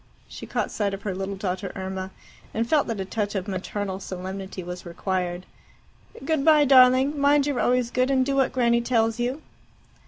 She caught sight of her little daughter Irma, and felt that a touch of maternal solemnity was required. "Good bye, darling. Mind you're always good, and do what Granny tells you."